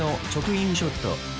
インショット。